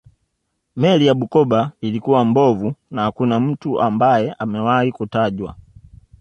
Meli ya Bukoba ilikuwa mbovu na hakuna mtu ambaye amewahi kutajwa